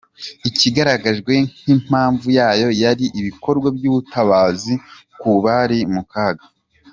Icyagaragajwe nk’impamvu yayo yari ibikorwa by’ubutabazi ku bari mu kaga.